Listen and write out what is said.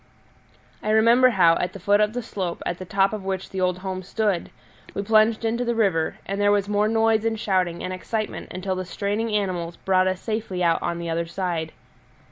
I remember how, at the foot of the slope at the top of which the old home stood, we plunged into the river, and there was more noise and shouting and excitement until the straining animals brought us safely out on the other side.